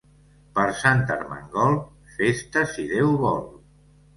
Per Sant Ermengol, festa si Déu vol.